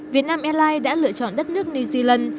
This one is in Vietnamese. việt nam airlines đã lựa chọn đất nước new zealand